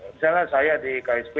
misalnya saya di ksp